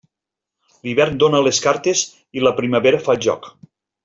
L'hivern dóna les cartes i la primavera fa el joc.